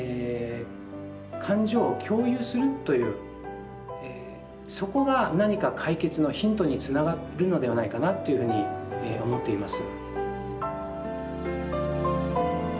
感情を共有するというそこが何か解決のヒントにつながるのではないかなというふうに思っています。